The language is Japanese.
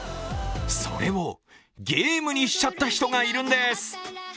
それをゲームにしちゃった人がいるんです。